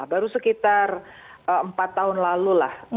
baru sekitar empat tahun lalu lah